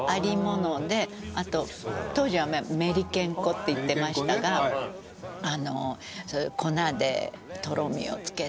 あと当時はメリケン粉っていってましたが粉でとろみをつけて。